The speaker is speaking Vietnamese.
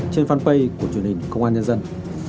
trên fanpage của chương trình công an nhân dân